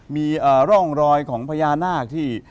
มีร่องรอยของพญานาคที่